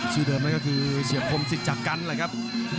ชื่อเดิมนั่นก็คือเฉียบคมสิทธิ์จากกันแหละครับ